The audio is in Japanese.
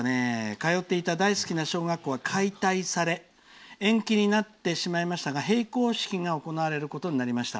「通っていた大好きな小学校が解体され延期になってしまいましたが閉校式が行われることになりました。